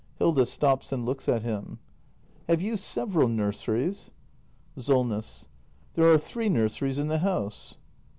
Hilda. [Stops and looks at him.] Have you several nurseries ? Solness. There are three nurseries in the house.